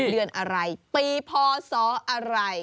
เดือนอะไรปีพศอะไร